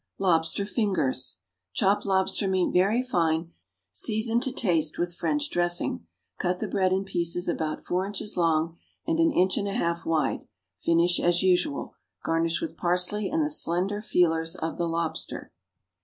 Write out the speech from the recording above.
=Lobster Fingers.= Chop lobster meat very fine; season to taste with French dressing. Cut the bread in pieces about four inches long and an inch and a half wide. Finish as usual. Garnish with parsley and the slender feelers of the lobster.